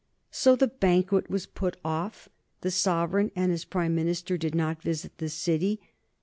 So the banquet was put off; the sovereign and his Prime Minister did not visit the City.